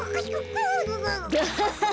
アハハハ！